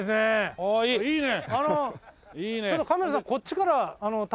ああいいね。